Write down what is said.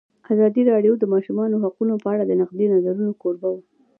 ازادي راډیو د د ماشومانو حقونه په اړه د نقدي نظرونو کوربه وه.